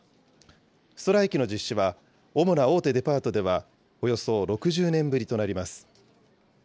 ストライキの実施は、主な大手デパートではおよそ６０年ぶりとなります。